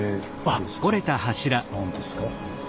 何ですか？